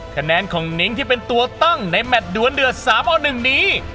คะแนนของนิ้งที่เป็นตัวตั้งในแมทดวนเดือด๓เอา๑นี้